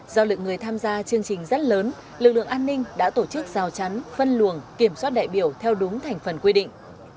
do lượng người tham gia chương trình rất lớn lực lượng an ninh đã tổ chức rào chắn phân luồng kiểm soát đại biểu theo đúng thành phần quy định